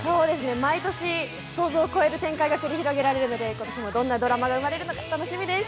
毎年、想像を超える展開が繰り広げられるので、今年もどんなドラマが生まれるのか楽しみです。